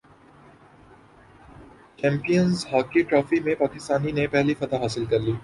champions hockey trophy میں پاکستان نے پہلی فتح حاصل کرلی